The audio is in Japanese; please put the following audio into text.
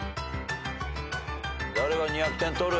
誰が２００点取る？